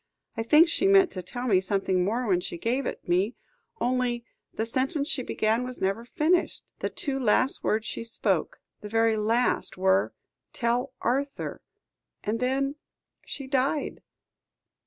I think she meant to tell me something more when she gave it me, only the sentence she began was never finished. The two last words she spoke, the very last, were, 'Tell Arthur' and then she died."